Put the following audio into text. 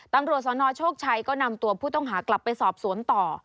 ตำรวจสนโชคชัยก็นำตัวผู้ต้องหากลับไปสอบสวนต่อ